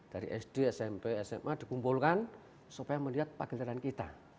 dari sd smp sma dikumpulkan supaya melihat pagelaran kita